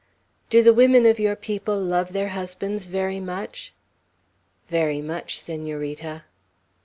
"Do the women of your people love their husbands very much?" "Very much, Senorita."